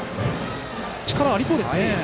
力はありそうですね。